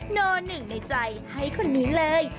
หนึ่งในใจให้คนนี้เลย